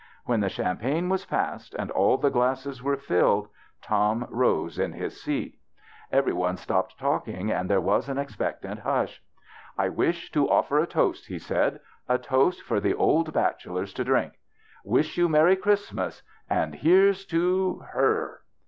When the champagne was passed, and all the glasses were filled, Tom rose in his seat. Everyone stopped talking, and there was an expectant hush. " I wish to offer a toast," he said, " a toast for the old bachelors to drink. Wish you merry Christmas and — and here's to her